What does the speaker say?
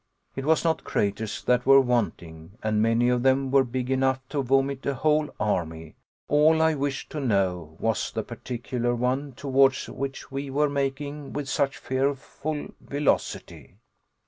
It was not craters that were wanting, and many of them were big enough to vomit a whole army; all I wished to know was the particular one towards which we were making with such fearful velocity.